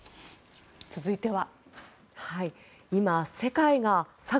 続いては。